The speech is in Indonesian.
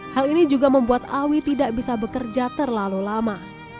hal ini juga membuat awi tidak bisa bekerja terlalu lama